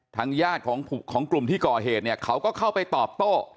ทางยาติของกลุ่มที่เกาะเหตุเขาก็เข้าไปตอบโต้